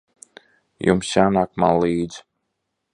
Jums jānāk man līdzi.